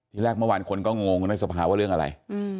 แรกเมื่อวานคนก็งงในสภาว่าเรื่องอะไร